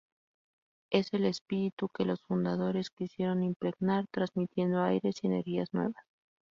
Es el espíritu que los fundadores quisieron impregnar, transmitiendo aires y energías nuevas.